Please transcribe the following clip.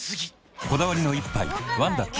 こだわりの一杯「ワンダ極」